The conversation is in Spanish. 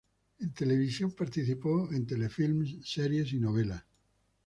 En televisión participó en telefilmes, series, y novelas.